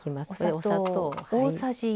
お砂糖。